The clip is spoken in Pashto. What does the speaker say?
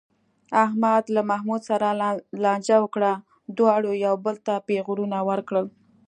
احمد له محمود سره لانجه وکړه، دواړو یو بل ته پېغورونه ورکړل.